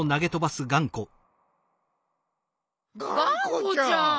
がんこちゃん！